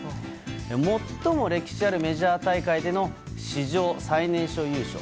最も歴史あるメジャー大会での史上最年少優勝。